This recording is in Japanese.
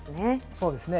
そうですね。